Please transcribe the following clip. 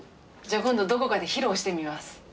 じゃあ今度どこかで披露してみます。